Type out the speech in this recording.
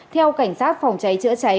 theo cảnh sát phòng cháy chữa cháy